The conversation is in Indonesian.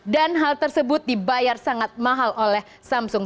dan hal tersebut dibayar sangat mahal oleh samsung